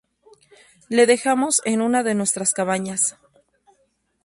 Le dejamos en una de nuestras cabañas.